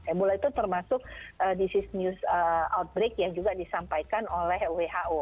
embula itu termasuk disease news outbreak yang juga disampaikan oleh who